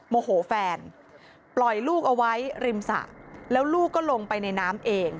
โมโหแฟนปล่อยลูกเอาไว้ริมสระแล้วลูกก็ลงไปในน้ำเอง